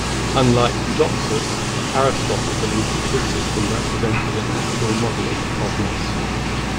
Unlike Eudoxus, Aristotle believed that his system represented an actual model of the cosmos.